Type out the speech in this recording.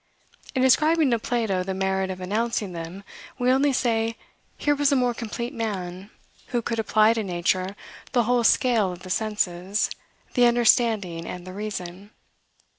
In ascribing to Plato the merit of announcing them, we only say, here was a more complete man, who could apply to nature the whole scale of the senses, the understanding, and the reason.